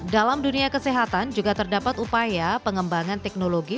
dalam dunia kesehatan juga terdapat upaya pengembangan teknologi